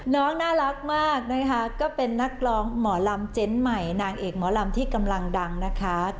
น่ารักมากนะคะก็เป็นนักร้องหมอลำเจนใหม่นางเอกหมอลำที่กำลังดังนะคะ